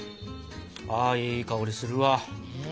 あいい香りするわ。